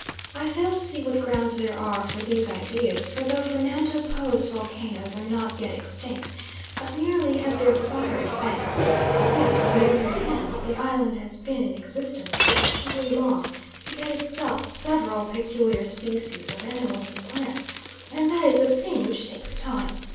I fail to see what grounds there are for these ideas, for though Fernando Po's volcanoes are not yet extinct, but merely have their fires banked, yet, on the other hand, the island has been in existence sufficiently long to get itself several peculiar species of animals and plants, and that is a thing which takes time.